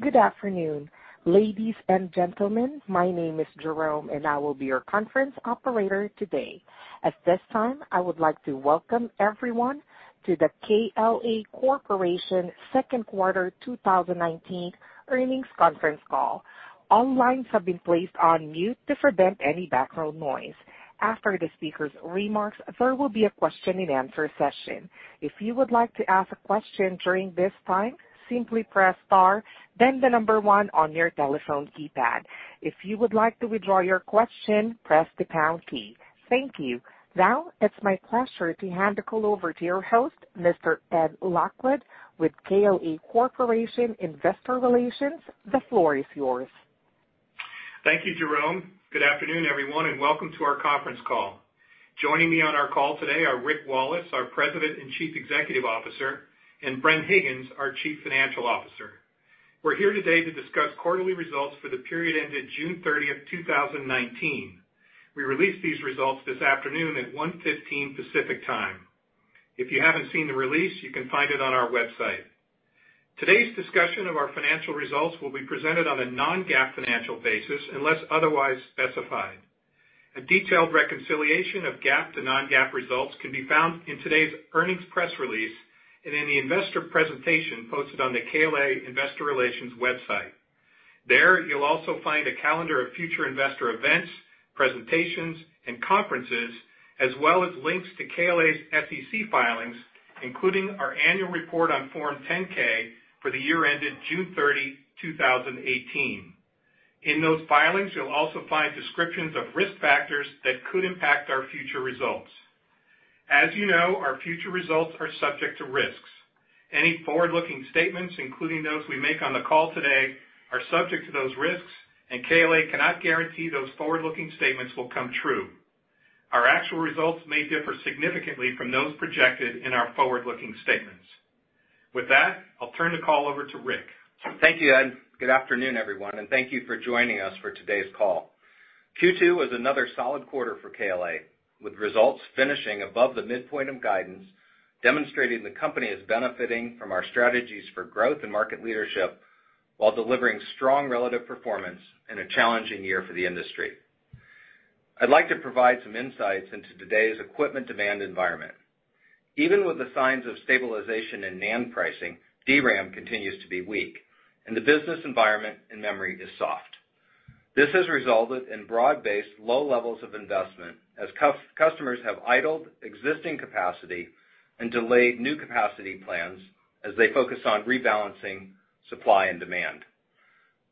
Good afternoon, ladies and gentlemen. My name is Jerome, and I will be your conference operator today. At this time, I would like to welcome everyone to the KLA Corporation second quarter 2019 earnings conference call. All lines have been placed on mute to prevent any background noise. After the speakers' remarks, there will be a question and answer session. If you would like to ask a question during this time, simply press star then the number one on your telephone keypad. If you would like to withdraw your question, press the pound key. Thank you. Now it's my pleasure to hand the call over to your host, Mr. Ed Lockwood with KLA Corporation Investor Relations. The floor is yours. Thank you, Jerome. Good afternoon, everyone, and welcome to our conference call. Joining me on our call today are Rick Wallace, our President and Chief Executive Officer, and Bren Higgins, our Chief Financial Officer. We're here today to discuss quarterly results for the period ended June 30th, 2019. We released these results this afternoon at 1:15 Pacific Time. If you haven't seen the release, you can find it on our website. Today's discussion of our financial results will be presented on a non-GAAP financial basis unless otherwise specified. A detailed reconciliation of GAAP to non-GAAP results can be found in today's earnings press release and in the investor presentation posted on the KLA Investor Relations website. There, you'll also find a calendar of future investor events, presentations, and conferences, as well as links to KLA's SEC filings, including our annual report on Form 10-K for the year ended June 30, 2018. In those filings, you'll also find descriptions of risk factors that could impact our future results. As you know, our future results are subject to risks. Any forward-looking statements, including those we make on the call today, are subject to those risks, and KLA cannot guarantee those forward-looking statements will come true. Our actual results may differ significantly from those projected in our forward-looking statements. With that, I'll turn the call over to Rick. Thank you, Ed. Good afternoon, everyone, and thank you for joining us for today's call. Q2 was another solid quarter for KLA, with results finishing above the midpoint of guidance, demonstrating the company is benefiting from our strategies for growth and market leadership while delivering strong relative performance in a challenging year for the industry. I'd like to provide some insights into today's equipment demand environment. Even with the signs of stabilization in NAND pricing, DRAM continues to be weak, and the business environment in memory is soft. This has resulted in broad-based low levels of investment as customers have idled existing capacity and delayed new capacity plans as they focus on rebalancing supply and demand.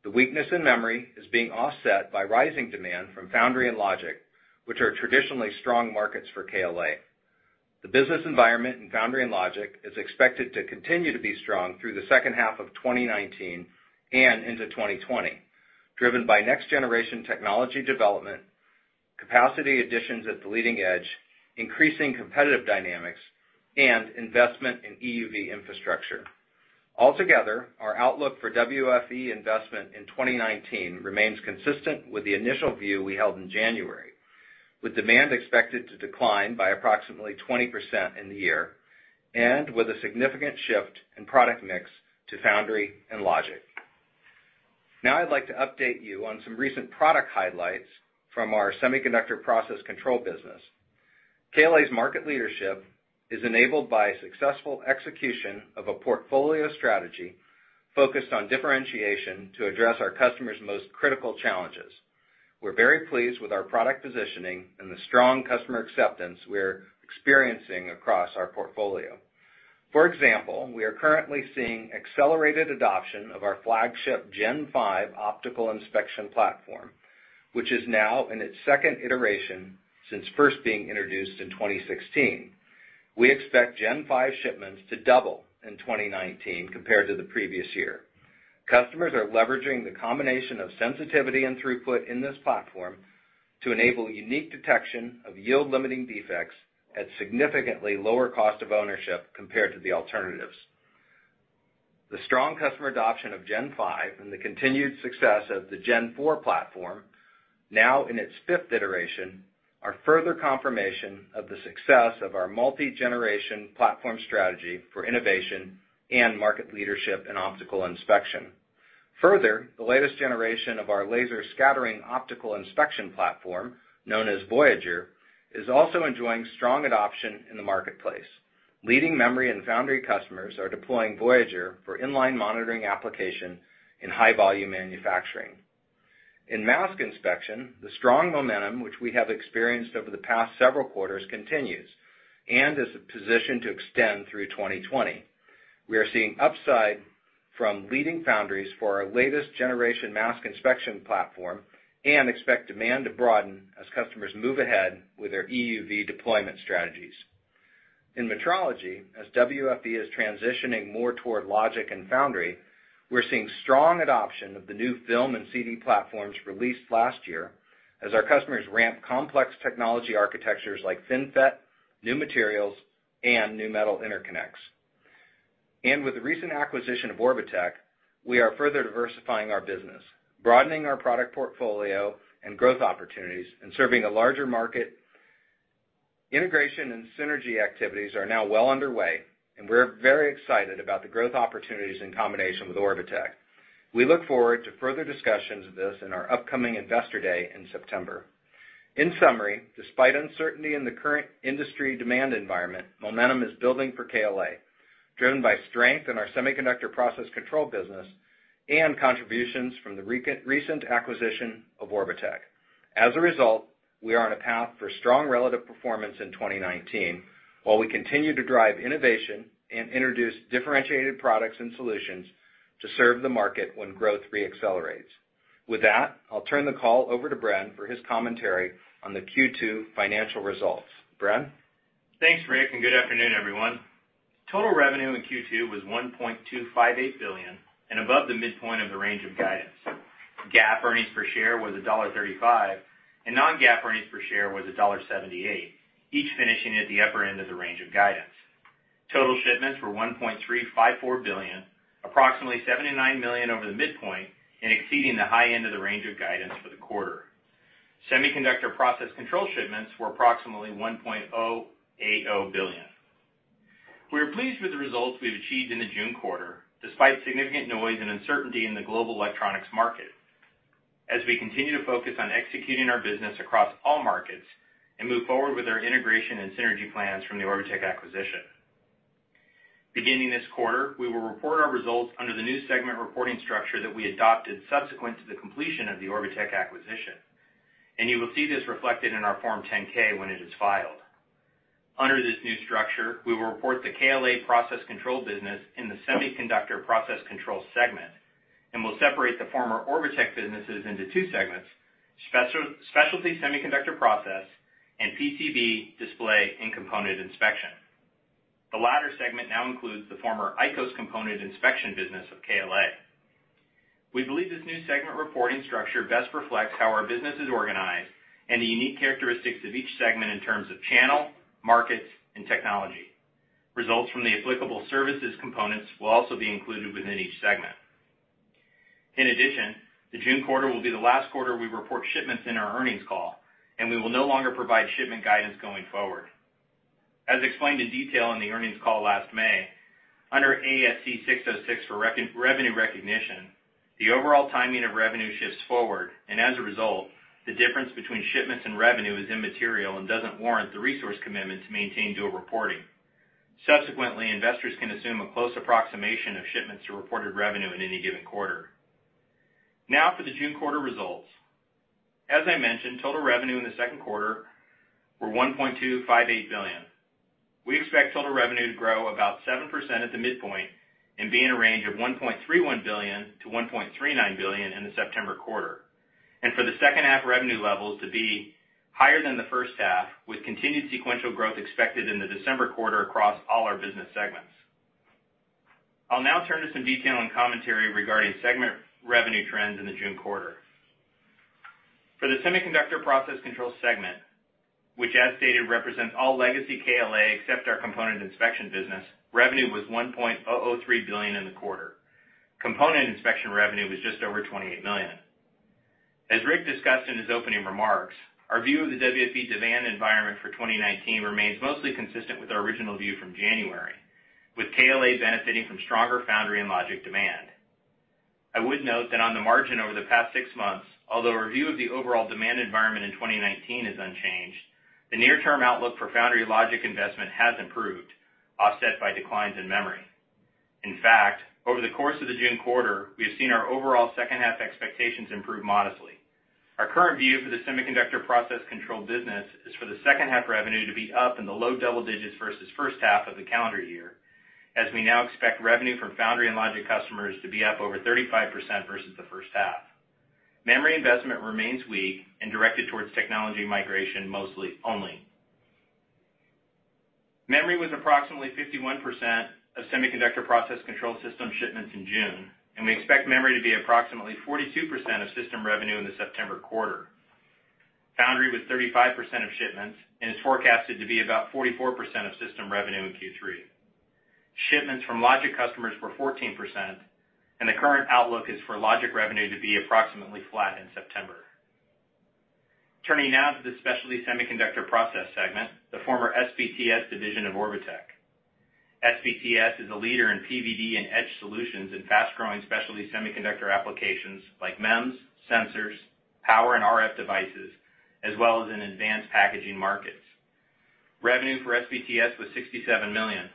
The weakness in memory is being offset by rising demand from foundry and logic, which are traditionally strong markets for KLA. The business environment in foundry and logic is expected to continue to be strong through the second half of 2019 and into 2020, driven by next-generation technology development, capacity additions at the leading edge, increasing competitive dynamics, and investment in EUV infrastructure. Altogether, our outlook for WFE investment in 2019 remains consistent with the initial view we held in January, with demand expected to decline by approximately 20% in the year, and with a significant shift in product mix to foundry and logic. Now I'd like to update you on some recent product highlights from our semiconductor process control business. KLA's market leadership is enabled by successful execution of a portfolio strategy focused on differentiation to address our customers' most critical challenges. We're very pleased with our product positioning and the strong customer acceptance we're experiencing across our portfolio. For example, we are currently seeing accelerated adoption of our flagship Gen 5 optical inspection platform, which is now in its second iteration since first being introduced in 2016. We expect Gen 5 shipments to double in 2019 compared to the previous year. Customers are leveraging the combination of sensitivity and throughput in this platform to enable unique detection of yield-limiting defects at significantly lower cost of ownership compared to the alternatives. The strong customer adoption of Gen 5 and the continued success of the Gen 4 platform, now in its fifth iteration, are further confirmation of the success of our multi-generation platform strategy for innovation and market leadership in optical inspection. Further, the latest generation of our laser scattering optical inspection platform, known as Voyager, is also enjoying strong adoption in the marketplace. Leading memory and foundry customers are deploying Voyager for inline monitoring application in high-volume manufacturing. In mask inspection, the strong momentum which we have experienced over the past several quarters continues and is positioned to extend through 2020. We are seeing upside from leading foundries for our latest generation mask inspection platform and expect demand to broaden as customers move ahead with their EUV deployment strategies. In metrology, as WFE is transitioning more toward logic and foundry, we're seeing strong adoption of the new film and CD platforms released last year as our customers ramp complex technology architectures like FinFET, new materials, and new metal interconnects. With the recent acquisition of Orbotech, we are further diversifying our business, broadening our product portfolio and growth opportunities, and serving a larger market. Integration and synergy activities are now well underway, and we're very excited about the growth opportunities in combination with Orbotech. We look forward to further discussions of this in our upcoming Investor Day in September. In summary, despite uncertainty in the current industry demand environment, momentum is building for KLA, driven by strength in our semiconductor process control business and contributions from the recent acquisition of Orbotech. As a result, we are on a path for strong relative performance in 2019, while we continue to drive innovation and introduce differentiated products and solutions to serve the market when growth re-accelerates. With that, I'll turn the call over to Bren for his commentary on the Q2 financial results. Bren? Thanks, Rick, good afternoon, everyone. Total revenue in Q2 was $1.258 billion above the midpoint of the range of guidance. GAAP earnings per share was $1.35, non-GAAP earnings per share was $1.78, each finishing at the upper end of the range of guidance. Total shipments were $1.354 billion, approximately $79 million over the midpoint, exceeding the high end of the range of guidance for the quarter. Semiconductor process control shipments were approximately $1.080 billion. We are pleased with the results we've achieved in the June quarter, despite significant noise and uncertainty in the global electronics market, as we continue to focus on executing our business across all markets and move forward with our integration and synergy plans from the Orbotech acquisition. Beginning this quarter, we will report our results under the new segment reporting structure that we adopted subsequent to the completion of the Orbotech acquisition. You will see this reflected in our Form 10-K when it is filed. Under this new structure, we will report the KLA process control business in the Semiconductor Process Control segment, and we'll separate the former Orbotech businesses into two segments: Specialty Semiconductor Process, and PCB Display and Component Inspection. The latter segment now includes the former ICOS component inspection business of KLA. We believe this new segment reporting structure best reflects how our business is organized and the unique characteristics of each segment in terms of channel, markets, and technology. Results from the applicable services components will also be included within each segment. In addition, the June quarter will be the last quarter we report shipments in our earnings call, and we will no longer provide shipment guidance going forward. As explained in detail on the earnings call last May, under ASC 606 for revenue recognition, the overall timing of revenue shifts forward. As a result, the difference between shipments and revenue is immaterial and doesn't warrant the resource commitment to maintain dual reporting. Subsequently, investors can assume a close approximation of shipments to reported revenue in any given quarter. Now for the June quarter results. As I mentioned, total revenue in the second quarter were $1.258 billion. We expect total revenue to grow about 7% at the midpoint and be in a range of $1.31 billion-$1.39 billion in the September quarter. For the second half revenue levels to be higher than the first half, with continued sequential growth expected in the December quarter across all our business segments. I'll now turn to some detail and commentary regarding segment revenue trends in the June quarter. For the semiconductor process control segment, which as stated, represents all legacy KLA except our component inspection business, revenue was $1.003 billion in the quarter. Component inspection revenue was just over $28 million. As Rick discussed in his opening remarks, our view of the WFE demand environment for 2019 remains mostly consistent with our original view from January, with KLA benefiting from stronger foundry and logic demand. I would note that on the margin over the past six months, although our view of the overall demand environment in 2019 is unchanged, the near-term outlook for foundry logic investment has improved, offset by declines in memory. In fact, over the course of the June quarter, we have seen our overall second half expectations improve modestly. Our current view for the semiconductor process control business is for the second half revenue to be up in the low double digits versus first half of the calendar year, as we now expect revenue from foundry and logic customers to be up over 35% versus the first half. Memory investment remains weak and directed towards technology migration mostly only. Memory was approximately 51% of semiconductor process control system shipments in June, and we expect memory to be approximately 42% of system revenue in the September quarter. Foundry was 35% of shipments and is forecasted to be about 44% of system revenue in Q3. Shipments from logic customers were 14%, and the current outlook is for logic revenue to be approximately flat in September. Turning now to the specialty semiconductor process segment, the former SPTS division of Orbotech. SPTS is a leader in PVD and etch solutions in fast-growing specialty semiconductor applications like MEMS, sensors, power and RF devices, as well as in advanced packaging markets. Revenue for SPTS was $67 million.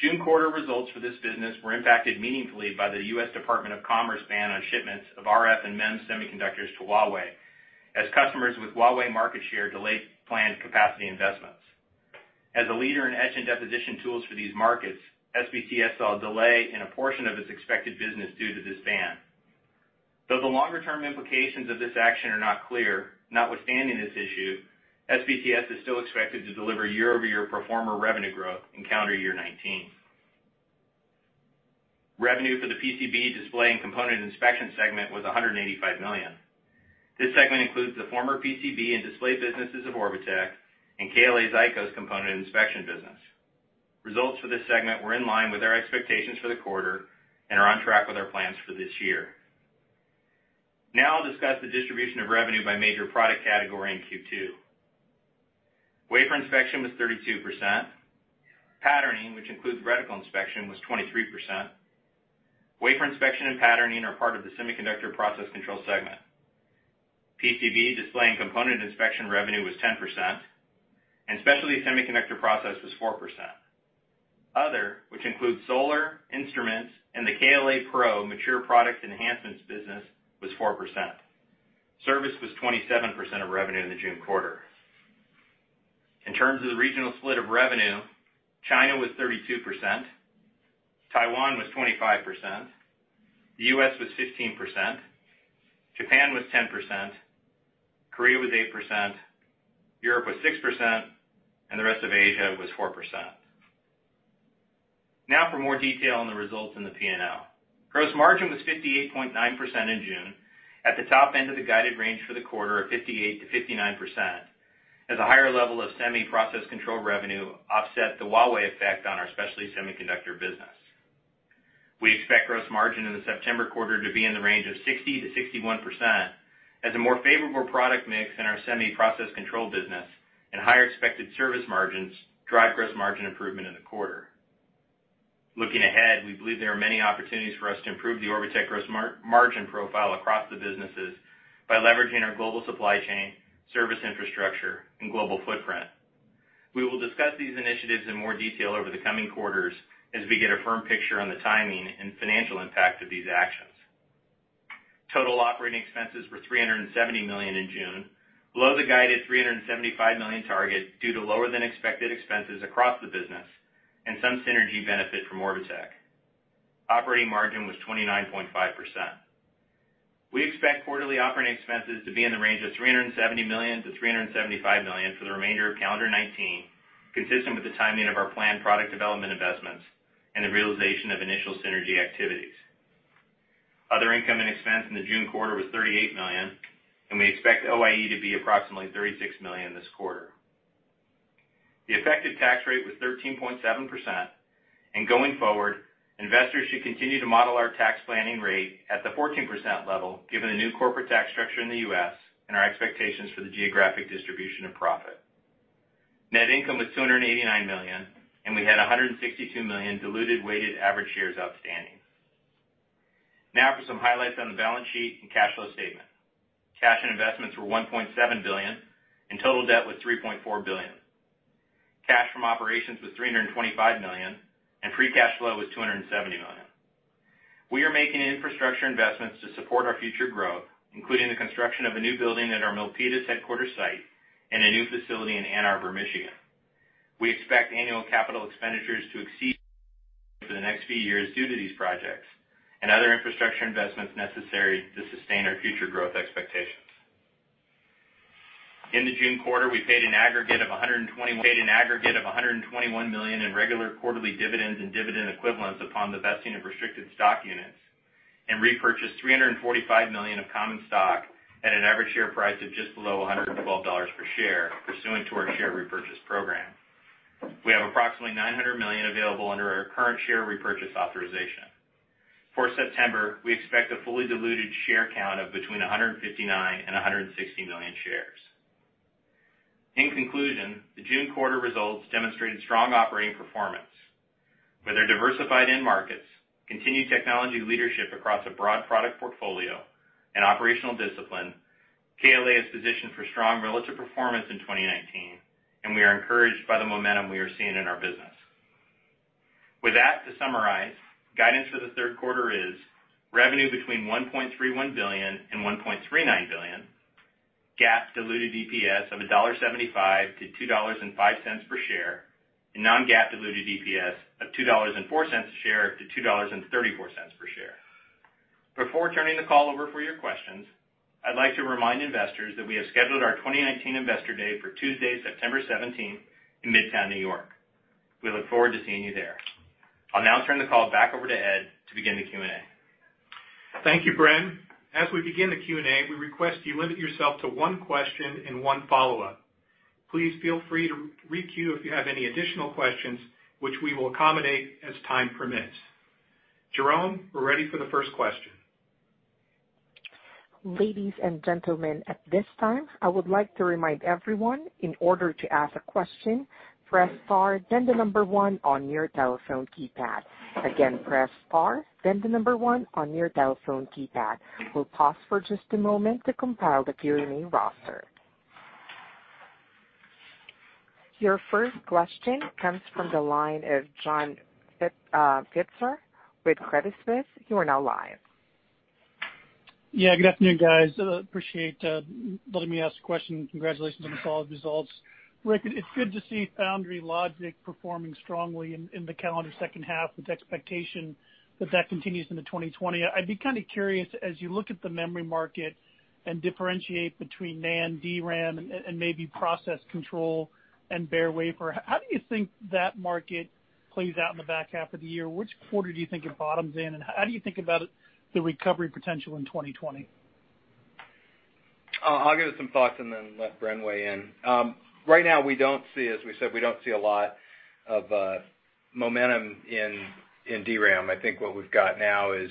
June quarter results for this business were impacted meaningfully by the U.S. Department of Commerce ban on shipments of RF and MEMS semiconductors to Huawei, as customers with Huawei market share delay planned capacity investments. As a leader in etch and deposition tools for these markets, SPTS saw a delay in a portion of its expected business due to this ban. Though the longer-term implications of this action are not clear, notwithstanding this issue, SPTS is still expected to deliver year-over-year pro forma revenue growth in calendar year 2019. Revenue for the PCB display and component inspection segment was $185 million. This segment includes the former PCB and display businesses of Orbotech and KLA's ICOS component inspection business. Results for this segment were in line with our expectations for the quarter and are on track with our plans for this year. I'll discuss the distribution of revenue by major product category in Q2. Wafer inspection was 32%. Patterning, which includes vertical inspection, was 23%. Wafer inspection and patterning are part of the semiconductor process control segment. PCB display and component inspection revenue was 10%, and specialty semiconductor process was 4%. Other, which includes solar, instruments, and the KLA Pro mature products enhancements business, was 4%. Service was 27% of revenue in the June quarter. In terms of the regional split of revenue, China was 32%, Taiwan was 25%, the U.S. was 15%, Japan was 10%, Korea was 8%, Europe was 6%, and the rest of Asia was 4%. For more detail on the results in the P&L. Gross margin was 58.9% in June, at the top end of the guided range for the quarter of 58%-59%, as a higher level of semi-process control revenue offset the Huawei effect on our specialty semiconductor business. We expect gross margin in the September quarter to be in the range of 60%-61%, as a more favorable product mix in our semi-process control business and higher expected service margins drive gross margin improvement in the quarter. Looking ahead, we believe there are many opportunities for us to improve the Orbotech gross margin profile across the businesses by leveraging our global supply chain, service infrastructure, and global footprint. We will discuss these initiatives in more detail over the coming quarters as we get a firm picture on the timing and financial impact of these actions. Total operating expenses were $370 million in June, below the guided $375 million target due to lower than expected expenses across the business and some synergy benefit from Orbotech. Operating margin was 29.5%. We expect quarterly operating expenses to be in the range of $370 million-$375 million for the remainder of calendar 2019, consistent with the timing of our planned product development investments and the realization of initial synergy activities. Other income and expense in the June quarter was $38 million, and we expect OIE to be approximately $36 million this quarter. The effective tax rate was 13.7%, and going forward, investors should continue to model our tax planning rate at the 14% level, given the new corporate tax structure in the U.S. and our expectations for the geographic distribution of profit. Net income was $289 million, and we had 162 million diluted weighted average shares outstanding. Now for some highlights on the balance sheet and cash flow statement. Cash and investments were $1.7 billion, and total debt was $3.4 billion. Cash from operations was $325 million, and free cash flow was $270 million. We are making infrastructure investments to support our future growth, including the construction of a new building at our Milpitas headquarters site and a new facility in Ann Arbor, Michigan. We expect annual capital expenditures to exceed for the next few years due to these projects and other infrastructure investments necessary to sustain our future growth expectations. In the June quarter, we paid an aggregate of $121 million in regular quarterly dividends and dividend equivalents upon the vesting of restricted stock units and repurchased $345 million of common stock at an average share price of just below $112 per share, pursuant to our share repurchase program. We have approximately $900 million available under our current share repurchase authorization. For September, we expect a fully diluted share count of between 159 million and 160 million shares. In conclusion, the June quarter results demonstrated strong operating performance. With our diversified end markets, continued technology leadership across a broad product portfolio, and operational discipline, KLA is positioned for strong relative performance in 2019, and we are encouraged by the momentum we are seeing in our business. With that, to summarize, guidance for the third quarter is revenue between $1.31 billion and $1.39 billion, GAAP diluted EPS of $1.75 to $2.05 per share, and non-GAAP diluted EPS of $2.04 a share to $2.34 per share. Before turning the call over for your questions, I'd like to remind investors that we have scheduled our 2019 Investor Day for Tuesday, September 17th in Midtown, New York. We look forward to seeing you there. I'll now turn the call back over to Ed to begin the Q&A. Thank you, Bren. As we begin the Q&A, we request you limit yourself to one question and one follow-up. Please feel free to re-queue if you have any additional questions, which we will accommodate as time permits. Jerome, we're ready for the first question. Ladies and gentlemen, at this time, I would like to remind everyone, in order to ask a question, press star, then the number 1 on your telephone keypad. Again, press star, then the number 1 on your telephone keypad. We'll pause for just a moment to compile the Q&A roster. Your first question comes from the line of John Pitzer with Credit Suisse. You are now live. Good afternoon, guys. Appreciate letting me ask a question. Congratulations on the solid results. Rick, it's good to see Foundry Logic performing strongly in the calendar second half with expectation that that continues into 2020. I'd be kind of curious, as you look at the memory market and differentiate between NAND, DRAM, and maybe process control and bare wafer, how do you think that market plays out in the back half of the year? Which quarter do you think it bottoms in, and how do you think about the recovery potential in 2020? I'll give some thoughts and then let Bren weigh in. Right now, as we said, we don't see a lot of momentum in DRAM. I think what we've got now is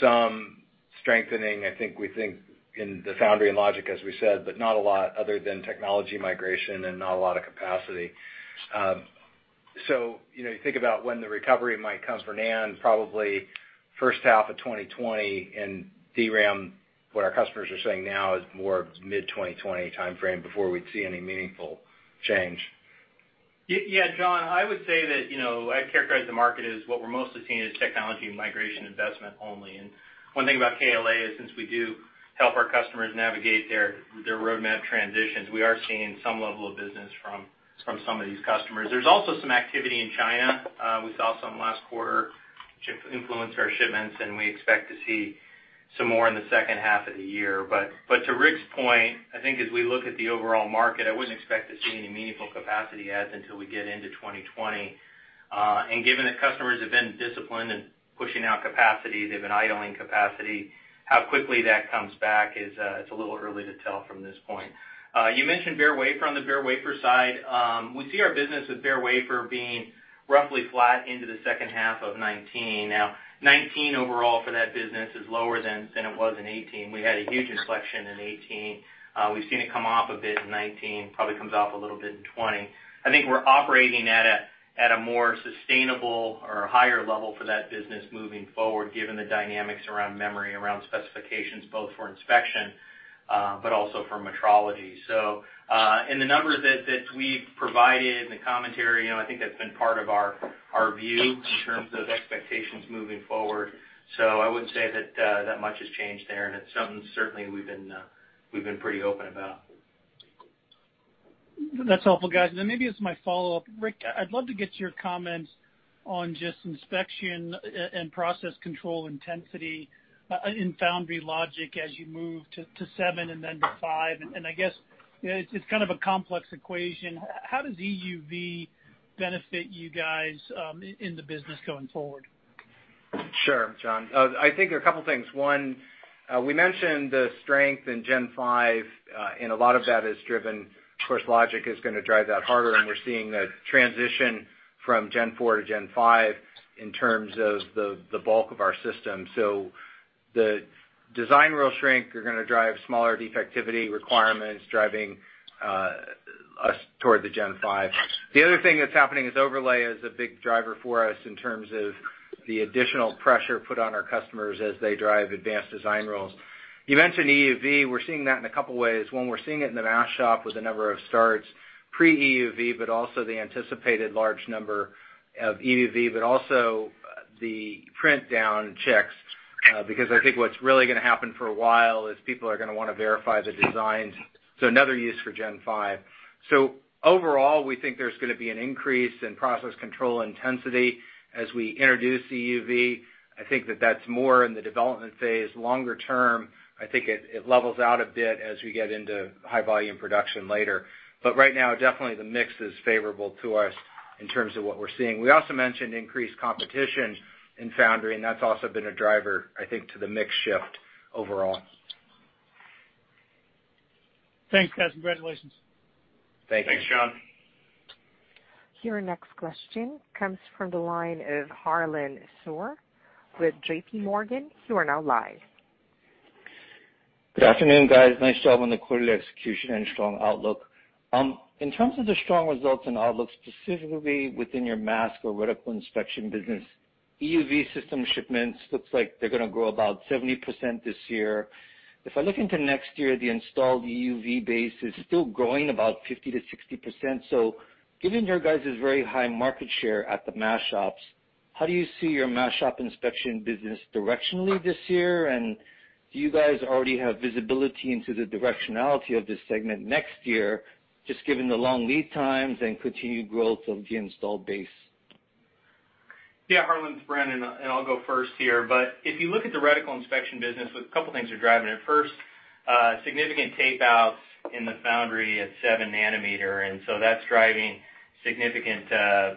some strengthening, I think, we think in the foundry and logic, as we said, but not a lot other than technology migration and not a lot of capacity. You think about when the recovery might come for NAND, probably first half of 2020 in DRAM, what our customers are saying now is more mid-2020 timeframe before we'd see any meaningful change. Yeah, John, I would say that, I characterize the market as what we're mostly seeing is technology migration investment only. One thing about KLA is, since we do help our customers navigate their roadmap transitions, we are seeing some level of business from some of these customers. There's also some activity in China. We saw some last quarter, which influenced our shipments, and we expect to see some more in the second half of the year. To Rick's point, I think as we look at the overall market, I wouldn't expect to see any meaningful capacity adds until we get into 2020. Given that customers have been disciplined in pushing out capacity, they've been idling capacity, how quickly that comes back, it's a little early to tell from this point. You mentioned bare wafer. On the bare wafer side, we see our business with bare wafer being roughly flat into the second half of 2019. 2019 overall for that business is lower than it was in 2018. We had a huge inflection in 2018. We've seen it come off a bit in 2019, probably comes off a little bit in 2020. I think we're operating at a more sustainable or higher level for that business moving forward, given the dynamics around memory, around specifications, both for inspection, but also for metrology. In the numbers that we've provided and the commentary, I think that's been part of our view in terms of expectations moving forward. I wouldn't say that much has changed there, and it's something certainly we've been pretty open about. That's helpful, guys. Maybe as my follow-up, Rick, I'd love to get your comments on just inspection and process control intensity in foundry logic as you move to seven and then to five. I guess, it's kind of a complex equation. How does EUV benefit you guys in the business going forward? Sure, John. I think there are a couple things. One, we mentioned the strength in Gen 5, and a lot of that is driven, of course, logic is going to drive that harder, and we're seeing a transition from Gen 4 to Gen 5 in terms of the bulk of our system. The design rule shrink are going to drive smaller defectivity requirements, driving us toward the Gen 5. The other thing that's happening is overlay is a big driver for us in terms of the additional pressure put on our customers as they drive advanced design rules. You mentioned EUV. We're seeing that in a couple ways. One, we're seeing it in the mask shop with the number of starts pre-EUV, but also the anticipated large number of EUV, but also the print down checks, because I think what's really going to happen for a while is people are going to want to verify the designs, so another use for Gen 5. Overall, we think there's going to be an increase in process control intensity as we introduce EUV. I think that that's more in the development phase. Longer term, I think it levels out a bit as we get into high volume production later. Right now, definitely the mix is favorable to us in terms of what we're seeing. We also mentioned increased competition in foundry, and that's also been a driver, I think, to the mix shift overall. Thanks, guys. Congratulations. Thank you. Thanks, John. Your next question comes from the line of Harlan Sur with JP Morgan. You are now live. Good afternoon, guys. Nice job on the quarterly execution and strong outlook. In terms of the strong results and outlook, specifically within your mask or reticle inspection business, EUV system shipments looks like they're going to grow about 70% this year. If I look into next year, the installed EUV base is still growing about 50%-60%. Given your guys' very high market share at the mask shops, how do you see your mask shop inspection business directionally this year? Do you guys already have visibility into the directionality of this segment next year, just given the long lead times and continued growth of the installed base? Yeah, Harlan, it's Bren. I'll go first here. If you look at the reticle inspection business, a couple things are driving it. First, significant tape outs in the foundry at seven nanometer, that's driving significant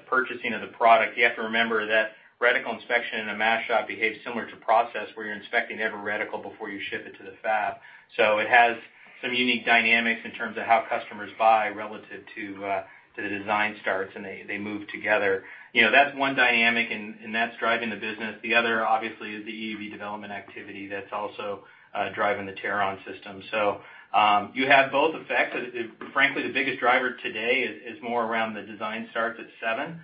purchasing of the product. You have to remember that reticle inspection in a mask shop behaves similar to process, where you're inspecting every reticle before you ship it to the fab. It has some unique dynamics in terms of how customers buy relative to the design starts, and they move together. That's one dynamic, that's driving the business. The other, obviously, is the EUV development activity that's also driving the Teron system. You have both effects. Frankly, the biggest driver today is more around the design starts at seven,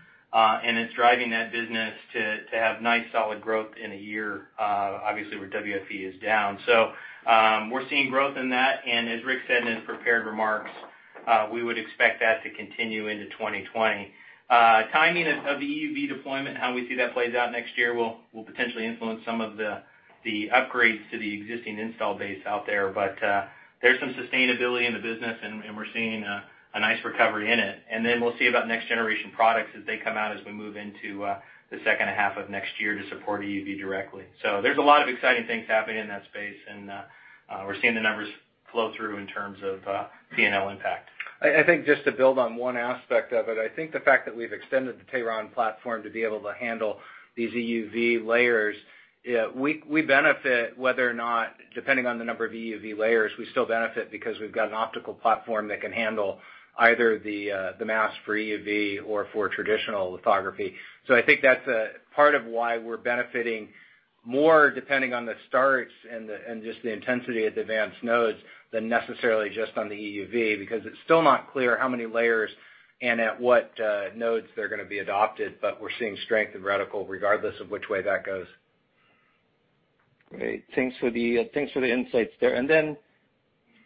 it's driving that business to have nice solid growth in a year, obviously, where WFE is down. We're seeing growth in that, and as Rick said in his prepared remarks, we would expect that to continue into 2020. Timing of the EUV deployment, how we see that plays out next year will potentially influence some of the upgrades to the existing install base out there. There's some sustainability in the business, and we're seeing a nice recovery in it. We'll see about next-generation products as they come out as we move into the second half of next year to support EUV directly. There's a lot of exciting things happening in that space, and we're seeing the numbers flow through in terms of P&L impact. I think just to build on one aspect of it, I think the fact that we've extended the Teron platform to be able to handle these EUV layers. We benefit whether or not, depending on the number of EUV layers, we still benefit because we've got an optical platform that can handle either the mask for EUV or for traditional lithography. I think that's a part of why we're benefiting more depending on the starts and just the intensity of the advanced nodes than necessarily just on the EUV, because it's still not clear how many layers and at what nodes they're going to be adopted, but we're seeing strength in reticle regardless of which way that goes. Great. Thanks for the insights there.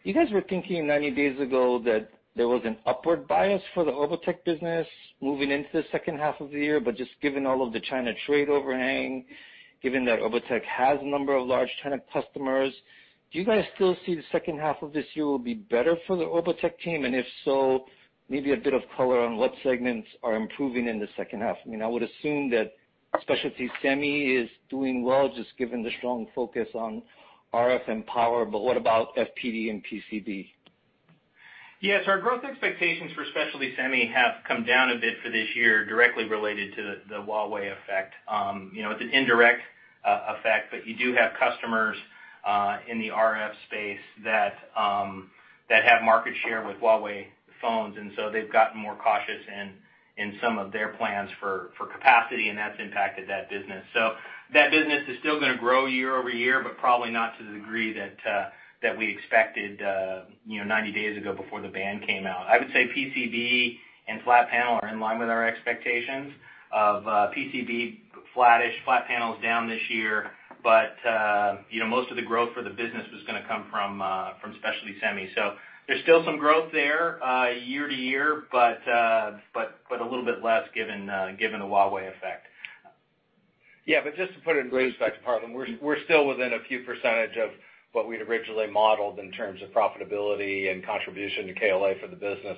You guys were thinking 90 days ago that there was an upward bias for the Orbotech business moving into the second half of the year, but just given all of the China trade overhang, given that Orbotech has a number of large China customers, do you guys still see the second half of this year will be better for the Orbotech team? If so, maybe a bit of color on what segments are improving in the second half. I would assume that specialty semi is doing well, just given the strong focus on RF and power, but what about FPD and PCB? Yes, our growth expectations for specialty semi have come down a bit for this year, directly related to the Huawei effect. It's an indirect effect, but you do have customers in the RF space that have market share with Huawei phones, and so they've gotten more cautious in some of their plans for capacity, and that's impacted that business. That business is still going to grow year-over-year, but probably not to the degree that we expected 90 days ago before the ban came out. I would say PCB and flat panel are in line with our expectations of PCB flattish, flat panels down this year. Most of the growth for the business was going to come from specialty semi. There's still some growth there year-to-year, but a little bit less given the Huawei effect. Just to put it in respect to Harlan, we're still within a few percentage of what we'd originally modeled in terms of profitability and contribution to KLA for the business.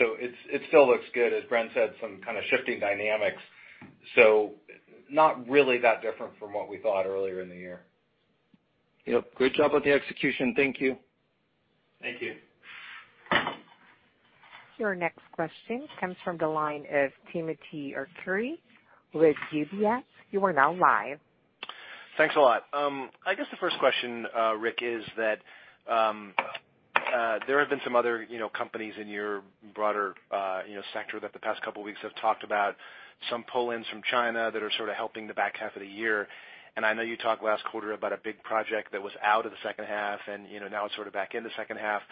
It still looks good, as Bren said, some kind of shifting dynamics. Not really that different from what we thought earlier in the year. Yep. Great job with the execution. Thank you. Thank you. Your next question comes from the line of Timothy Arcuri with UBS. You are now live. Thanks a lot. I guess the first question, Rick, is that there have been some other companies in your broader sector that the past couple of weeks have talked about some pull-ins from China that are sort of helping the back half of the year. I know you talked last quarter about a big project that was out of the second half, and now it's sort of back in the second half.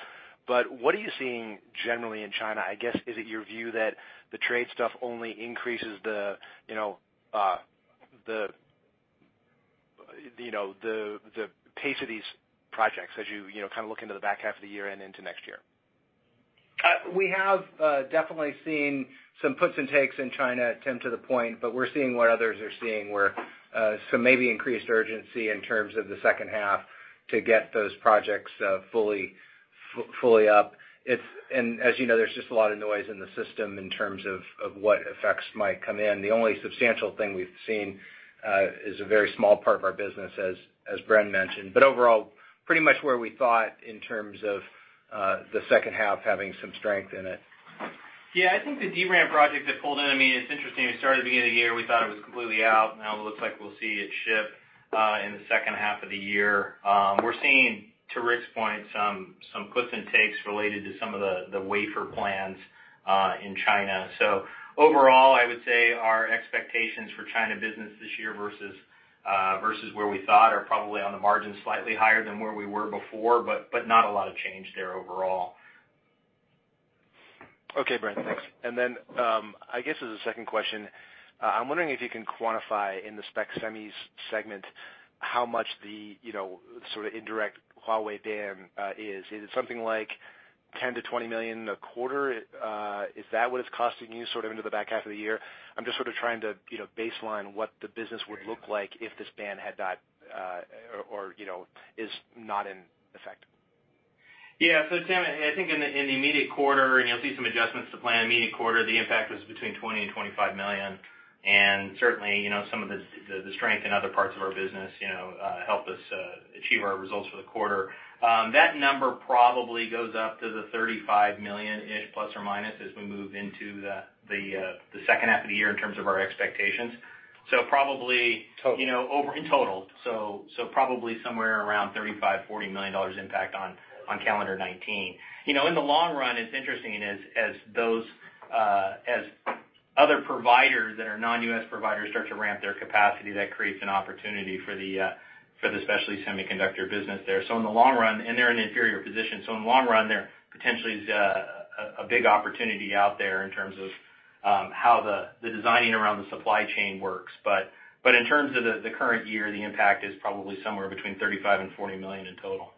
What are you seeing generally in China? I guess, is it your view that the trade stuff only increases the pace of these projects as you kind of look into the back half of the year and into next year? We have definitely seen some puts and takes in China, Tim, to the point, but we're seeing what others are seeing, where some maybe increased urgency in terms of the second half to get those projects fully up. As you know, there's just a lot of noise in the system in terms of what effects might come in. The only substantial thing we've seen is a very small part of our business, as Bren mentioned. Overall, pretty much where we thought in terms of the second half having some strength in it. Yeah, I think the DRAM project that pulled in, it's interesting. We started at the beginning of the year, we thought it was completely out. Now it looks like we'll see it ship in the second half of the year. We're seeing, to Rick's point, some puts and takes related to some of the wafer plans in China. Overall, I would say our expectations for China business this year versus where we thought are probably on the margin slightly higher than where we were before, but not a lot of change there overall. Okay, Bren. Thanks. I guess as a second question, I'm wondering if you can quantify in the spec semis segment how much the sort of indirect Huawei ban is. Is it something like $10 million-$20 million a quarter? Is that what it's costing you sort of into the back half of the year? I'm just sort of trying to baseline what the business would look like if this ban is not in effect. Yeah. Tim, I think in the immediate quarter, and you'll see some adjustments to plan, immediate quarter, the impact was between $20 million-$25 million. Certainly, some of the strength in other parts of our business helped us achieve our results for the quarter. That number probably goes up to the $35 million-ish, plus or minus, as we move into the second half of the year in terms of our expectations. Total. In total. Probably somewhere around $35 million, $40 million impact on calendar 2019. In the long run, it's interesting as other providers that are non-U.S. providers start to ramp their capacity, that creates an opportunity for the specialty semiconductor business there. In the long run, and they're in the inferior position, so in the long run, there potentially is a big opportunity out there in terms of how the designing around the supply chain works. In terms of the current year, the impact is probably somewhere between $35 million and $40 million in total.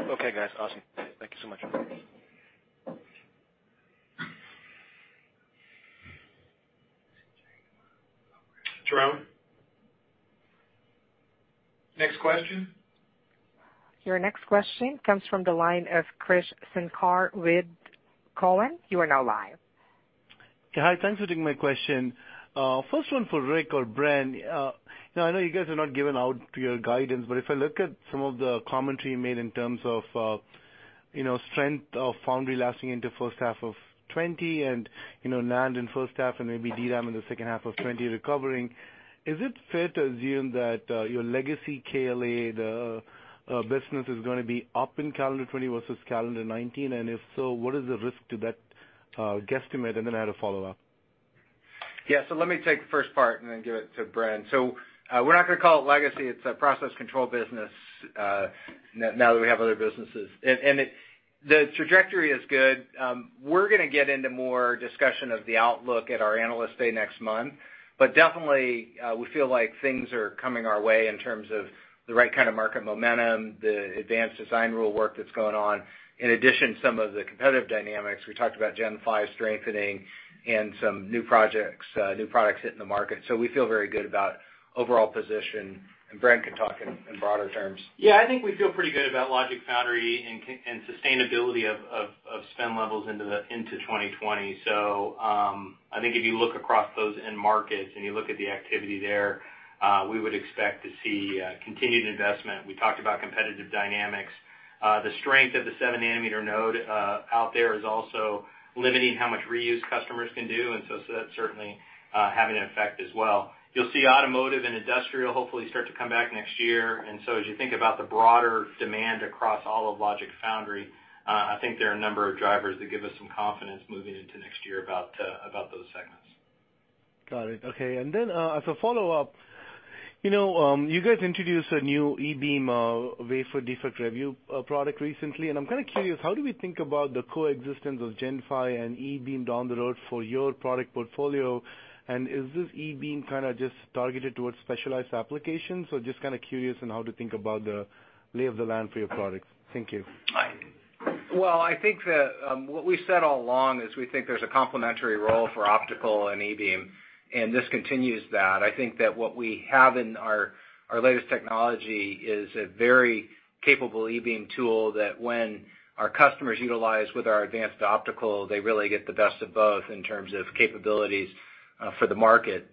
Okay, guys. Awesome. Thank you so much. Jerome? Next question. Your next question comes from the line of Krish Sankar with Cowen. You are now live. Hi. Thanks for taking my question. First one for Rick or Bren. I know you guys have not given out your guidance, but if I look at some of the commentary you made in terms of strength of foundry lasting into first half of 2020, and NAND in first half and maybe DRAM in the second half of 2020 recovering. Is it fair to assume that your legacy KLA, the business is going to be up in calendar 2020 versus calendar 2019? If so, what is the risk to that guesstimate? I had a follow-up. Yeah. Let me take the first part and then give it to Bren. We're not going to call it legacy. It's a process control business, now that we have other businesses. The trajectory is good. We're going to get into more discussion of the outlook at our Analyst Day next month, but definitely, we feel like things are coming our way in terms of the right kind of market momentum, the advanced design rule work that's going on. In addition, some of the competitive dynamics, we talked about Gen 5 strengthening and some new projects, new products hitting the market. We feel very good about overall position, and Bren can talk in broader terms. Yeah, I think we feel pretty good about logic foundry and sustainability of spend levels into 2020. I think if you look across those end markets and you look at the activity there, we would expect to see continued investment. We talked about competitive dynamics. The strength of the seven nanometer node out there is also limiting how much reuse customers can do, and so that's certainly having an effect as well. You'll see automotive and industrial hopefully start to come back next year. As you think about the broader demand across all of logic foundry, I think there are a number of drivers that give us some confidence moving into next year about those segments. Got it. Okay. Then, as a follow-up, you guys introduced a new E-beam wafer defect review product recently, and I'm kind of curious, how do we think about the coexistence of Gen 5 and E-beam down the road for your product portfolio? Is this E-beam kind of just targeted towards specialized applications? Just kind of curious on how to think about the lay of the land for your products. Thank you. Well, I think that what we said all along is we think there's a complementary role for optical and E-beam, and this continues that. I think that what we have in our latest technology is a very capable E-beam tool that when our customers utilize with our advanced optical, they really get the best of both in terms of capabilities for the market.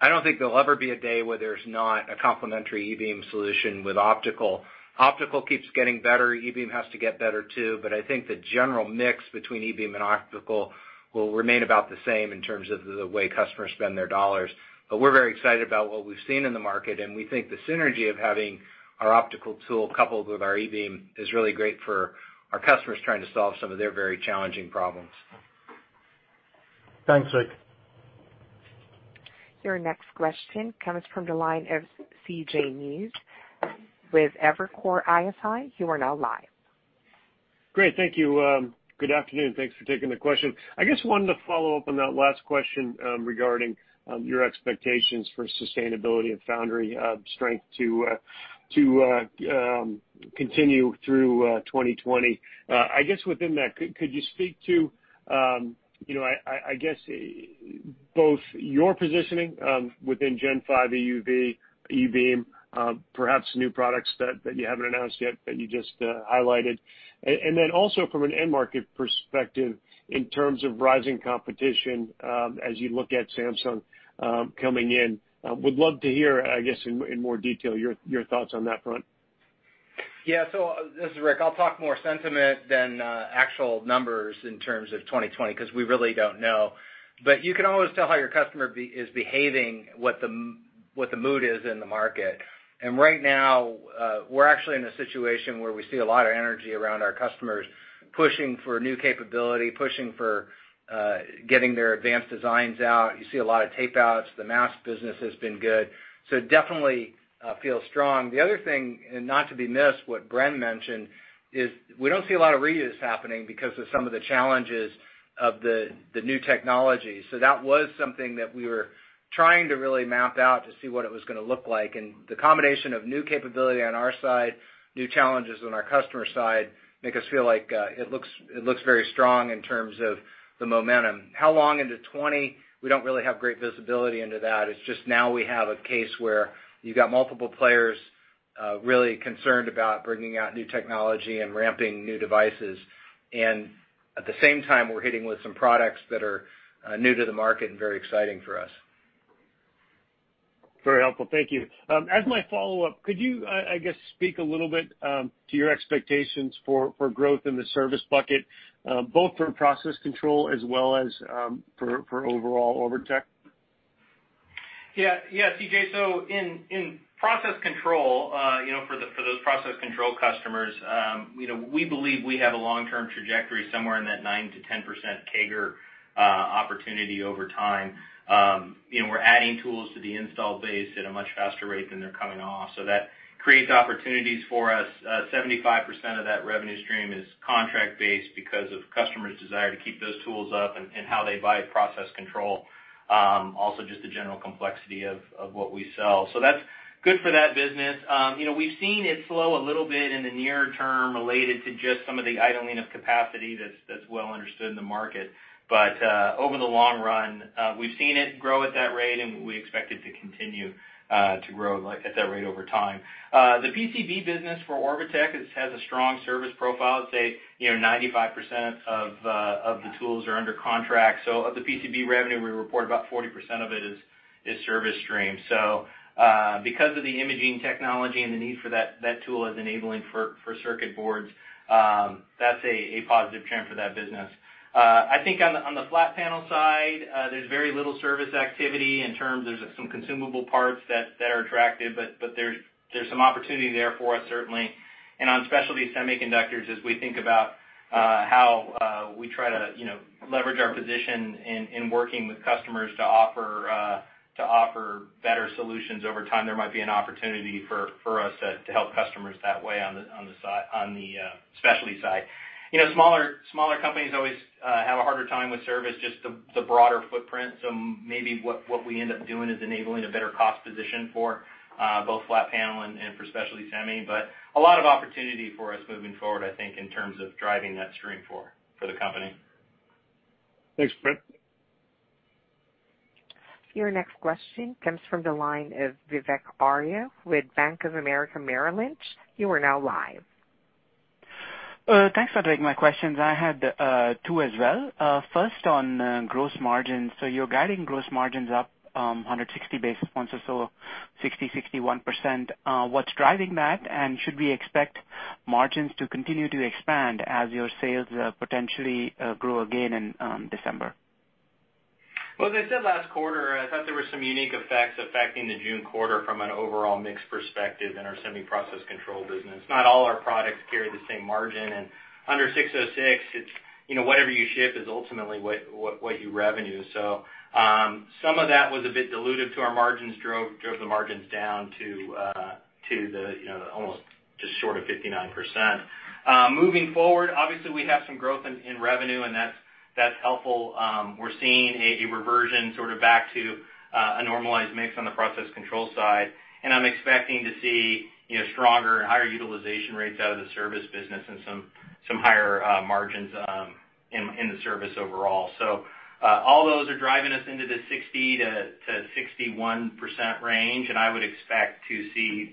I don't think there'll ever be a day where there's not a complementary E-beam solution with optical. Optical keeps getting better. E-beam has to get better, too. I think the general mix between E-beam and optical will remain about the same in terms of the way customers spend their dollars. We're very excited about what we've seen in the market, and we think the synergy of having our optical tool coupled with our E-beam is really great for our customers trying to solve some of their very challenging problems. Thanks, Rick. Your next question comes from the line of CJ Muse with Evercore ISI. You are now live. Great. Thank you. Good afternoon. Thanks for taking the question. I just wanted to follow up on that last question regarding your expectations for sustainability of foundry strength to continue through 2020. I guess within that, could you speak to both your positioning within Gen 5 EUV, E-beam, perhaps new products that you haven't announced yet that you just highlighted? Then also from an end market perspective, in terms of rising competition as you look at Samsung coming in. Would love to hear, I guess, in more detail, your thoughts on that front. This is Rick. I'll talk more sentiment than actual numbers in terms of 2020 because we really don't know. You can always tell how your customer is behaving, what the mood is in the market. Right now, we're actually in a situation where we see a lot of energy around our customers pushing for new capability, pushing for getting their advanced designs out. You see a lot of tape outs. The mask business has been good. Definitely feels strong. The other thing, and not to be missed, what Bren mentioned, is we don't see a lot of reuse happening because of some of the challenges of the new technology. That was something that we were trying to really map out to see what it was going to look like. The combination of new capability on our side, new challenges on our customer side, make us feel like it looks very strong in terms of the momentum. How long into 2020? We don't really have great visibility into that. It's just now we have a case where you've got multiple players really concerned about bringing out new technology and ramping new devices. At the same time, we're hitting with some products that are new to the market and very exciting for us. Very helpful. Thank you. As my follow-up, could you, I guess, speak a little bit to your expectations for growth in the service bucket, both for process control as well as for overall Orbotech? Yeah, CJ. In process control, for those process control customers, we believe we have a long-term trajectory somewhere in that 9%-10% CAGR opportunity over time. We're adding tools to the install base at a much faster rate than they're coming off. That creates opportunities for us. 75% of that revenue stream is contract-based because of customers' desire to keep those tools up and how they buy process control. Also, just the general complexity of what we sell. That's good for that business. We've seen it slow a little bit in the near term related to just some of the idling of capacity that's well understood in the market. Over the long run, we've seen it grow at that rate, and we expect it to continue to grow at that rate over time. The PCB business for Orbotech has a strong service profile. I'd say 95% of the tools are under contract. Of the PCB revenue we report, about 40% of it is service stream. Because of the imaging technology and the need for that tool as enabling for circuit boards, that's a positive trend for that business. I think on the flat panel side, there's very little service activity in terms of some consumable parts that are attractive, but there's some opportunity there for us, certainly. On specialty semiconductors, as we think about how we try to leverage our position in working with customers to offer better solutions over time, there might be an opportunity for us to help customers that way on the specialty side. Smaller companies always have a harder time with service, just the broader footprint. Maybe what we end up doing is enabling a better cost position for both flat panel and for specialty semi. A lot of opportunity for us moving forward, I think, in terms of driving that stream for the company. Thanks, Bren. Your next question comes from the line of Vivek Arya with Bank of America Merrill Lynch. You are now live. Thanks for taking my questions. I had two as well. First, on gross margins. You're guiding gross margins up 160 basis points or so, 60%-61%. What's driving that? Should we expect margins to continue to expand as your sales potentially grow again in December? Well, as I said last quarter, I thought there were some unique effects affecting the June quarter from an overall mix perspective in our semi process control business. Not all our products carry the same margin, and under 606, it's whatever you ship is ultimately what you revenue. Some of that was a bit diluted to our margins, drove the margins down to almost just short of 59%. Moving forward, obviously, we have some growth in revenue, and that's helpful. We're seeing a reversion sort of back to a normalized mix on the process control side, and I'm expecting to see stronger and higher utilization rates out of the service business and some higher margins in the service overall. All those are driving us into the 60-61% range, and I would expect to see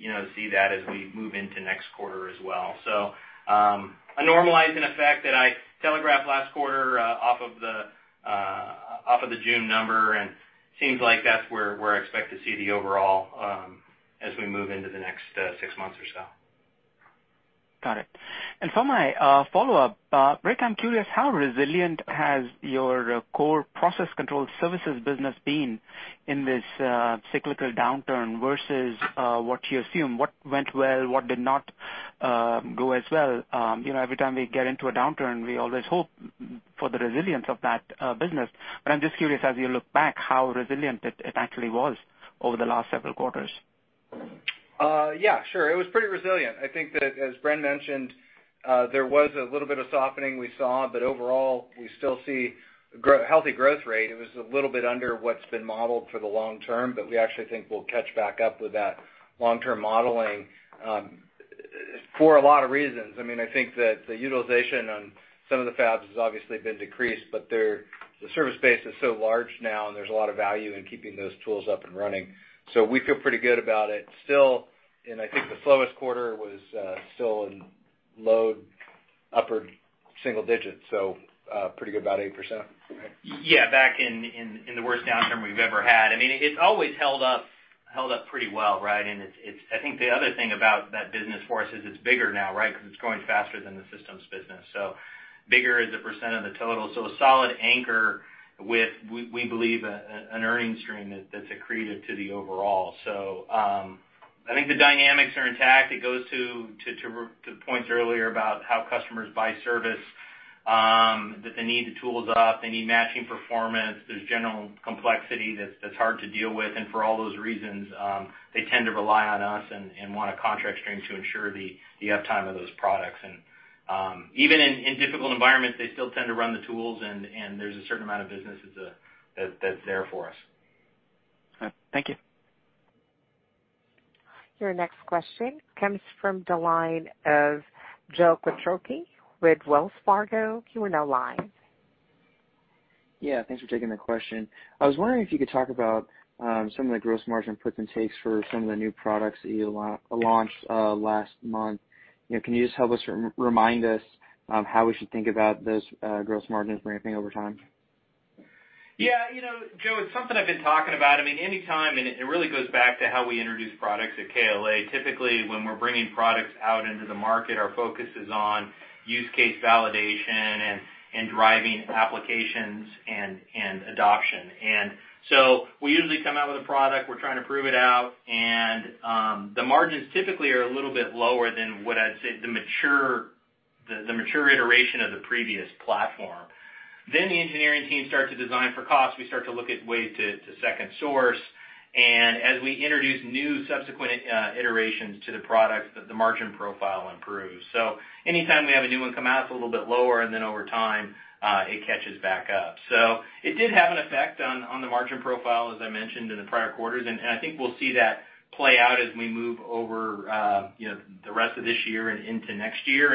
that as we move into next quarter as well. A normalizing effect that I telegraphed last quarter off of the June number and seems like that's where I expect to see the overall as we move into the next six months or so. Got it. For my follow-up, Rick, I'm curious, how resilient has your core process control services business been in this cyclical downturn versus what you assume? What went well? What did not go as well? Every time we get into a downturn, we always hope for the resilience of that business. I'm just curious, as you look back, how resilient it actually was over the last several quarters. Yeah, sure. It was pretty resilient. I think that, as Bren mentioned, there was a little bit of softening we saw, but overall, we still see healthy growth rate. It was a little bit under what's been modeled for the long term, but we actually think we'll catch back up with that long-term modeling for a lot of reasons. I think that the utilization on some of the fabs has obviously been decreased, but the service base is so large now, and there's a lot of value in keeping those tools up and running. We feel pretty good about it. Still, I think the slowest quarter was still in low upper single digits, pretty good, about 8%. Right? Back in the worst downturn we've ever had. It's always held up pretty well, right? I think the other thing about that business for us is it's bigger now, right? Because it's growing faster than the systems business. Bigger as a percent of the total. A solid anchor with, we believe, an earning stream that's accretive to the overall. I think the dynamics are intact. It goes to the points earlier about how customers buy service, that they need the tools up, they need matching performance. There's general complexity that's hard to deal with. For all those reasons, they tend to rely on us and want a contract stream to ensure the uptime of those products. Even in difficult environments, they still tend to run the tools, and there's a certain amount of business that's there for us. All right. Thank you. Your next question comes from the line of Joe Joe Quatrochi. WIth Wells Fargo. You are now live. Yeah, thanks for taking the question. I was wondering if you could talk about some of the gross margin puts and takes for some of the new products that you launched last month. Can you just help us, remind us how we should think about those gross margins ramping over time? Yeah, Joe, it's something I've been talking about. It really goes back to how we introduce products at KLA. Typically, when we're bringing products out into the market, our focus is on use case validation and driving applications and adoption. We usually come out with a product, we're trying to prove it out, and the margins typically are a little bit lower than what I'd say the mature iteration of the previous platform. The engineering team starts to design for cost. We start to look at ways to second source, as we introduce new subsequent iterations to the product, the margin profile improves. Anytime we have a new one come out, it's a little bit lower, over time, it catches back up. It did have an effect on the margin profile, as I mentioned in the prior quarters, and I think we'll see that play out as we move over the rest of this year and into next year.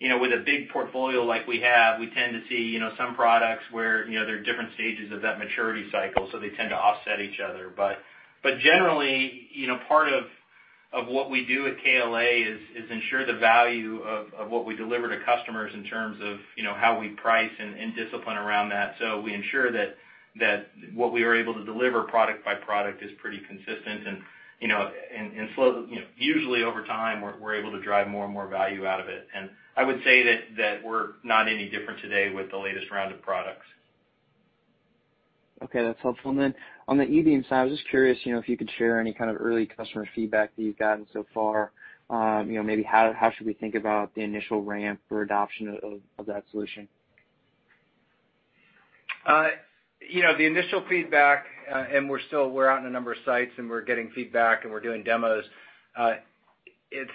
With a big portfolio like we have, we tend to see some products where there are different stages of that maturity cycle, so they tend to offset each other. Of what we do at KLA is ensure the value of what we deliver to customers in terms of how we price and discipline around that. We ensure that what we are able to deliver product by product is pretty consistent and usually over time, we're able to drive more and more value out of it. I would say that we're not any different today with the latest round of products. Okay, that's helpful. On the E-beam side, I was just curious if you could share any kind of early customer feedback that you've gotten so far. Maybe how should we think about the initial ramp or adoption of that solution? The initial feedback, and we're out in a number of sites, and we're getting feedback, and we're doing demos.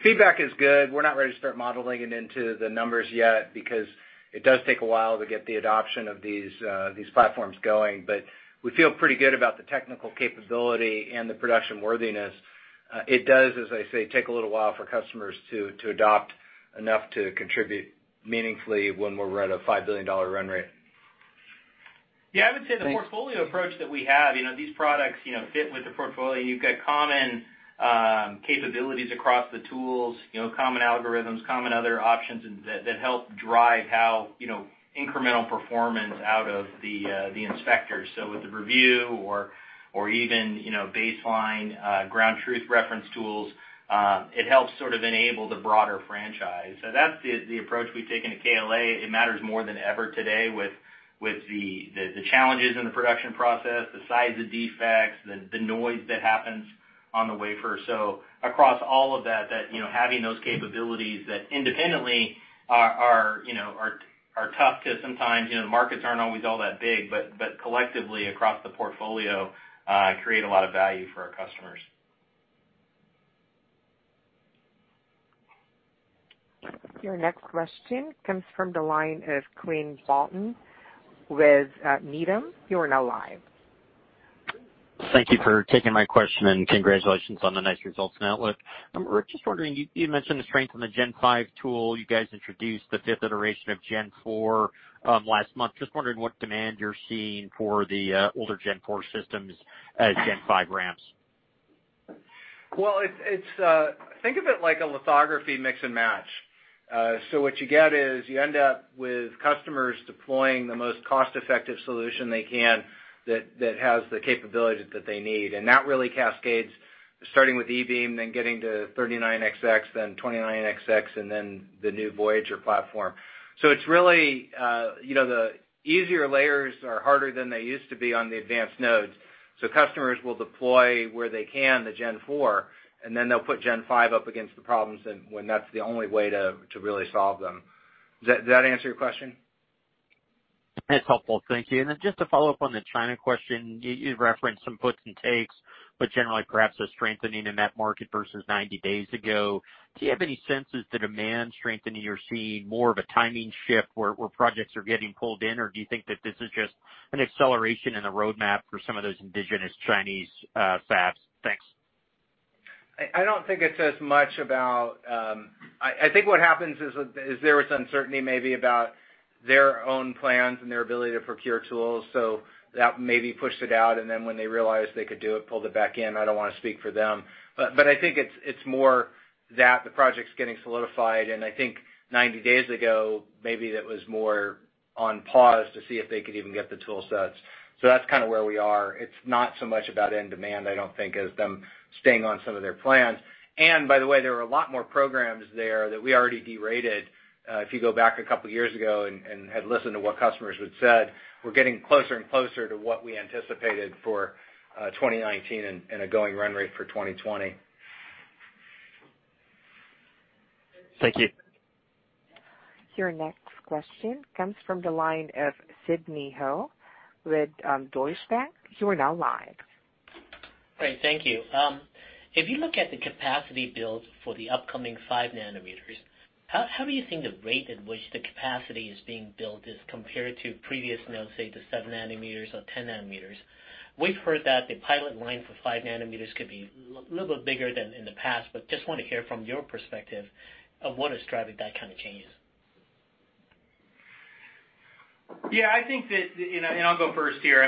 Feedback is good. We're not ready to start modeling it into the numbers yet because it does take a while to get the adoption of these platforms going. We feel pretty good about the technical capability and the production worthiness. It does, as I say, take a little while for customers to adopt enough to contribute meaningfully when we're at a $5 billion run rate. Thanks. Yeah, I would say the portfolio approach that we have, these products fit with the portfolio. You've got common capabilities across the tools, common algorithms, common other options that help drive how incremental performance out of the inspectors. With the review or even baseline ground truth reference tools, it helps sort of enable the broader franchise. That's the approach we've taken at KLA. It matters more than ever today with the challenges in the production process, the size of defects, the noise that happens on the wafer. Across all of that, having those capabilities that independently are tough because sometimes markets aren't always all that big, but collectively across the portfolio, create a lot of value for our customers. Your next question comes from the line of Quinn Bolton with Needham. You are now live. Thank you for taking my question and congratulations on the nice results and outlook. I'm just wondering, you mentioned the strength on the Gen 5 tool. You guys introduced the fifth iteration of Gen 4 last month. Just wondering what demand you're seeing for the older Gen 4 systems as Gen 5 ramps. Well, think of it like a lithography mix and match. What you get is you end up with customers deploying the most cost-effective solution they can that has the capability that they need. That really cascades starting with E-beam, then getting to 39xx, then 29xx, and then the new Voyager platform. The easier layers are harder than they used to be on the advanced nodes. Customers will deploy where they can the Gen 4, and then they'll put Gen 5 up against the problems when that's the only way to really solve them. Does that answer your question? That's helpful. Thank you. Just to follow up on the China question, you referenced some puts and takes, generally perhaps a strengthening in that market versus 90 days ago. Do you have any sense, is the demand strengthening or you're seeing more of a timing shift where projects are getting pulled in? Do you think that this is just an acceleration in the roadmap for some of those indigenous Chinese fabs? Thanks. I think what happens is there was uncertainty maybe about their own plans and their ability to procure tools, so that maybe pushed it out, and then when they realized they could do it, pulled it back in. I don't want to speak for them. I think it's more that the project's getting solidified, and I think 90 days ago, maybe that was more on pause to see if they could even get the tool sets. That's kind of where we are. It's not so much about end demand, I don't think, as them staying on some of their plans. By the way, there are a lot more programs there that we already derated. If you go back a couple of years ago and had listened to what customers had said, we're getting closer and closer to what we anticipated for 2019 and a going run rate for 2020. Thank you. Your next question comes from the line of Sidney Ho with Deutsche Bank. You are now live. Great. Thank you. If you look at the capacity build for the upcoming five nanometers, how do you think the rate at which the capacity is being built is compared to previous nodes, say to seven nanometers or 10 nanometers? We've heard that the pilot line for five nanometers could be a little bit bigger than in the past, but just want to hear from your perspective of what is driving that kind of change. Yeah, I'll go first here.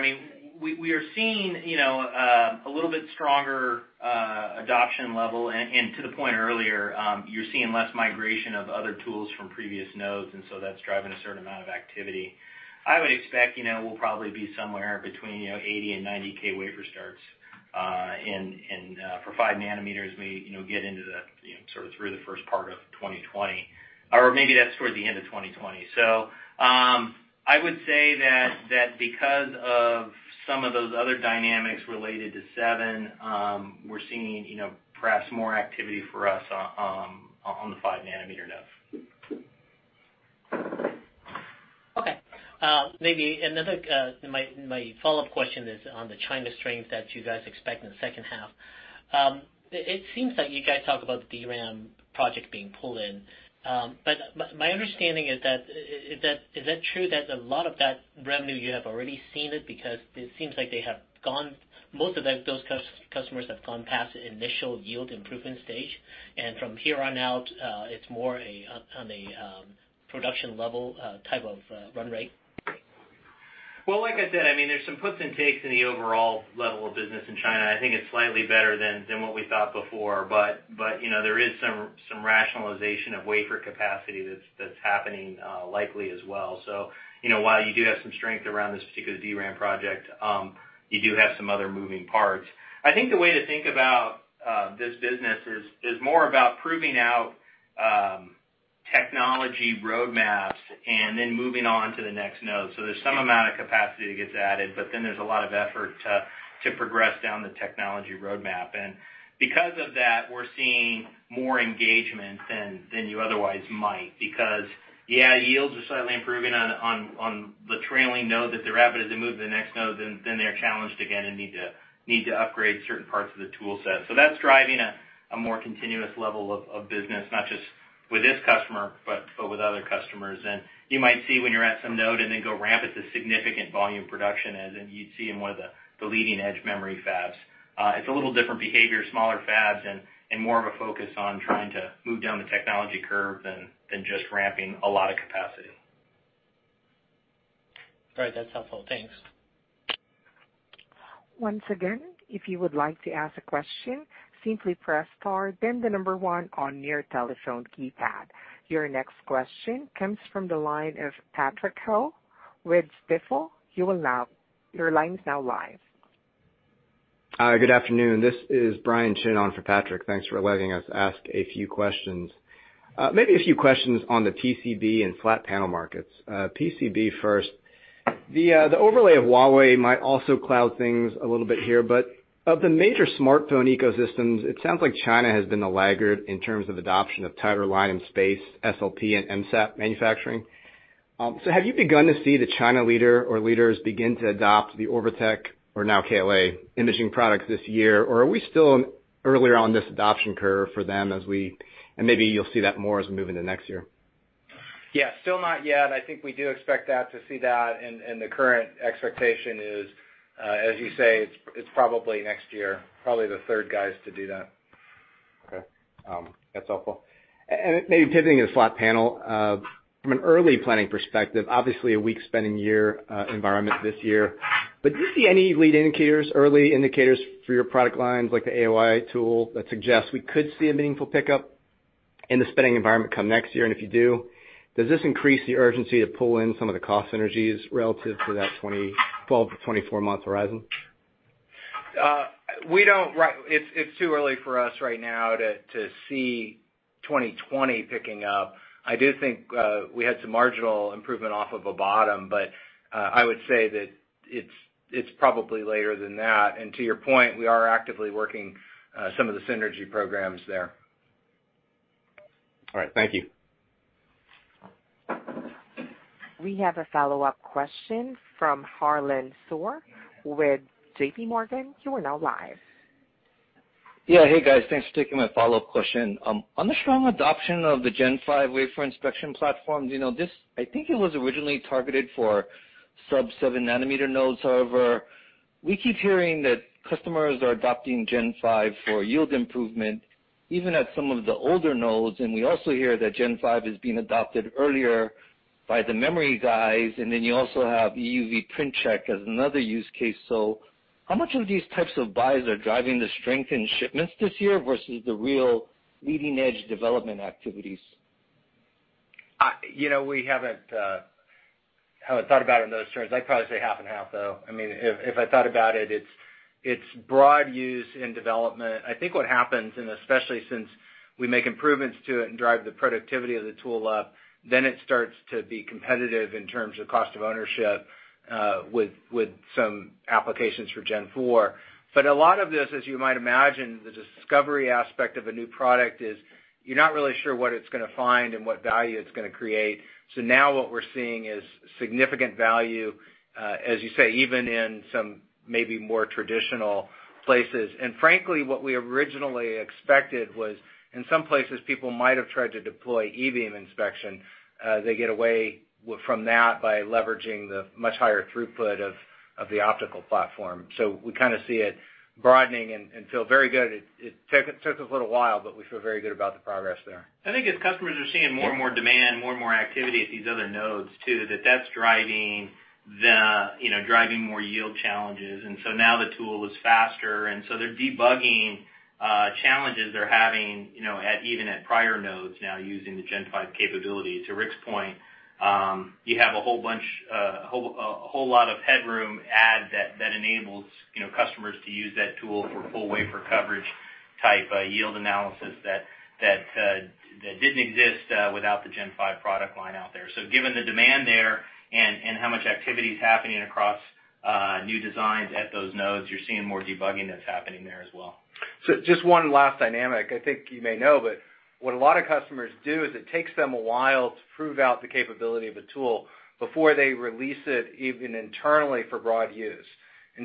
We are seeing a little bit stronger adoption level, and to the point earlier, you're seeing less migration of other tools from previous nodes, that's driving a certain amount of activity. I would expect we'll probably be somewhere between 80,000 and 90,000 wafer starts for 5 nanometers as we get into the sort of through the first part of 2020. Maybe that's towards the end of 2020. I would say that because of some of those other dynamics related to 7, we're seeing perhaps more activity for us on the 5-nanometer node. Okay. Maybe my follow-up question is on the China strength that you guys expect in the second half. It seems like you guys talk about the DRAM project being pulled in. My understanding is that true that a lot of that revenue, you have already seen it because it seems like most of those customers have gone past the initial yield improvement stage, and from here on out, it's more on a production level type of run rate? Well, like I said, there's some puts and takes in the overall level of business in China. I think it's slightly better than what we thought before, but there is some rationalization of wafer capacity that's happening likely as well. While you do have some strength around this particular DRAM project, you do have some other moving parts. I think the way to think about this business is more about proving out technology roadmaps and then moving on to the next node. There's some amount of capacity that gets added, but then there's a lot of effort to progress down the technology roadmap. Because of that, we're seeing more engagement than you otherwise might because, yeah, yields are slightly improving on the trailing node that they're at. As they move to the next node, then they're challenged again and need to upgrade certain parts of the tool set. That's driving a more continuous level of business, not just with this customer, but with other customers. You might see when you're at some node and then go ramp it to significant volume production as you'd see in one of the leading-edge memory fabs. It's a little different behavior, smaller fabs, and more of a focus on trying to move down the technology curve than just ramping a lot of capacity. All right. That's helpful. Thanks. Once again, if you would like to ask a question, simply press star then the number 1 on your telephone keypad. Your next question comes from the line of Patrick Ho with Stifel. Your line is now live. Hi. Good afternoon. This is Brian Chin on for Patrick. Thanks for letting us ask a few questions. Maybe a few questions on the PCB and flat panel markets. PCB first. The overlay of Huawei might also cloud things a little bit here, but of the major smartphone ecosystems, it sounds like China has been the laggard in terms of adoption of tighter line and space SLP and MSAP manufacturing. Have you begun to see the China leader or leaders begin to adopt the Orbotech, or now KLA, imaging products this year? Or are we still earlier on this adoption curve for them as we move into next year? Yeah. Still not yet. I think we do expect to see that, and the current expectation is, as you say, it's probably next year. Probably the third guys to do that. Okay. That's helpful. Maybe pivoting to flat panel. From an early planning perspective, obviously a weak spending year environment this year. Do you see any lead indicators, early indicators for your product lines, like the AOI tool, that suggests we could see a meaningful pickup in the spending environment come next year? If you do, does this increase the urgency to pull in some of the cost synergies relative to that 12 to 24-month horizon? It's too early for us right now to see 2020 picking up. I do think we had some marginal improvement off of a bottom, but I would say that it's probably later than that. To your point, we are actively working some of the synergy programs there. All right. Thank you. We have a follow-up question from Harlan Sur with JP Morgan. You are now live. Yeah. Hey, guys. Thanks for taking my follow-up question. On the strong adoption of the Gen 5 wafer inspection platform, I think it was originally targeted for sub-seven nanometer nodes. However, we keep hearing that customers are adopting Gen 5 for yield improvement even at some of the older nodes. We also hear that Gen 5 is being adopted earlier by the memory guys, you also have EUV print check as another use case. How much of these types of buys are driving the strength in shipments this year versus the real leading-edge development activities? We haven't thought about it in those terms. I'd probably say half and half, though. If I thought about it's broad use in development. I think what happens, and especially since we make improvements to it and drive the productivity of the tool up, then it starts to be competitive in terms of cost of ownership with some applications for Gen 4. A lot of this, as you might imagine, the discovery aspect of a new product is you're not really sure what it's going to find and what value it's going to create. Now what we're seeing is significant value, as you say, even in some maybe more traditional places. Frankly, what we originally expected was in some places, people might have tried to deploy E-beam inspection. They get away from that by leveraging the much higher throughput of the optical platform. We kind of see it broadening and feel very good. It took us a little while, but we feel very good about the progress there. I think as customers are seeing more and more demand, more and more activity at these other nodes too, that that's driving more yield challenges. Now the tool is faster, and so they're debugging challenges they're having even at prior nodes now using the Gen 5 capability. To Rick's point, you have a whole lot of headroom add that enables customers to use that tool for full wafer coverage type yield analysis that didn't exist without the Gen 5 product line out there. Given the demand there and how much activity is happening across new designs at those nodes, you're seeing more debugging that's happening there as well. Just one last dynamic. I think you may know, but what a lot of customers do is it takes them a while to prove out the capability of a tool before they release it even internally for broad use.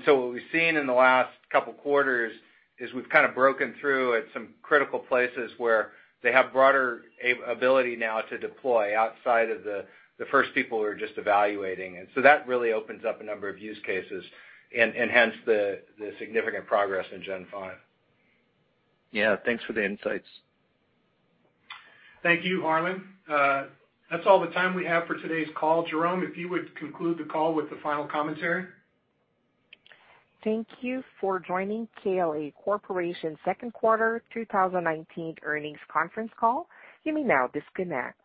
What we've seen in the last couple quarters is we've kind of broken through at some critical places where they have broader ability now to deploy outside of the first people who are just evaluating. That really opens up a number of use cases and hence the significant progress in Gen 5. Yeah. Thanks for the insights. Thank you, Harlan. That's all the time we have for today's call. Jerome, if you would conclude the call with the final commentary. Thank you for joining KLA Corporation second quarter 2019 earnings conference call. You may now disconnect.